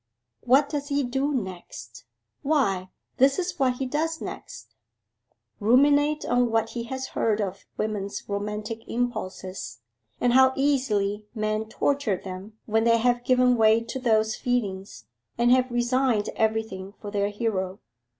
'What does he do next? Why, this is what he does next: ruminate on what he has heard of women's romantic impulses, and how easily men torture them when they have given way to those feelings, and have resigned everything for their hero.